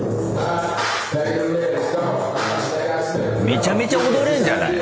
めちゃめちゃ踊れんじゃない。